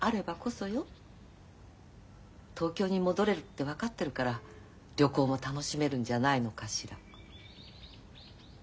東京に戻れるって分かってるから旅行も楽しめるんじゃないのかしら？